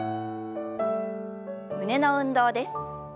胸の運動です。